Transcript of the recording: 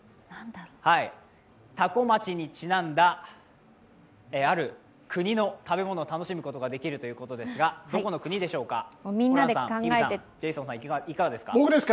多古町にちなんだ、ある国の食べ物を楽しむことができるということですがどこの国でしょうかいかがですか。